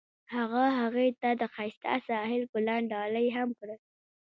هغه هغې ته د ښایسته ساحل ګلان ډالۍ هم کړل.